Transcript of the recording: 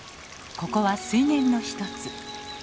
ここは水源の一つ。